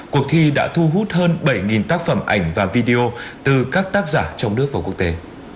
cuộc thi đã thu hút hơn bảy tác phẩm ảnh và video từ các tác giả trong nước và quốc tế